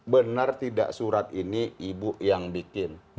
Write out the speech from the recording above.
benar tidak surat ini ibu yang bikin